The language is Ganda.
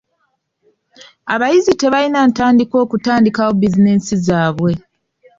Abayizi tebalina ntandikwa okutandikawo bizinensi zaabwe.